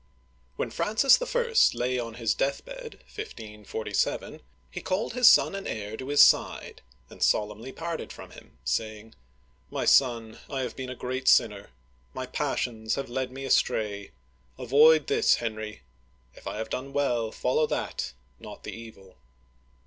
WHEN Francis I. lay on his deathbed (1547), he called his son and heir to his side, and solemnly parted from him, saying :" My son, I have been a great sinner. My passions led me astray. Avoid this, Henry. If I have done well, follow that, not the evil